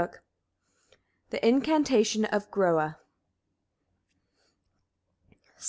] THE INCANTATION OF GROA.